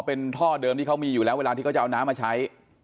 เป็นท่อเดิมที่เขามีอยู่แล้วเวลาที่เขาจะเอาน้ำมาใช้